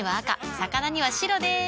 魚には白でーす。